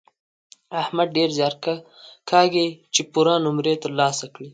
احمد ډېر زیار کاږي چې پوره نومرې تر لاسه کړي.